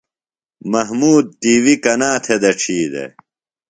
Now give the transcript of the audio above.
محمود ٹی وی کنا تھےۡ دڇھی دےۡ؟